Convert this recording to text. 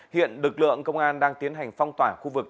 hiện lực lượng công an đang tiến hành phong tỏa khu vực